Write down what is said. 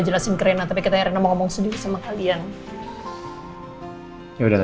diganti oke oke bentar ya